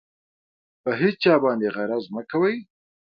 په هېچا باندې غرض مه کوئ.